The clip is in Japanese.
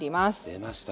出ました。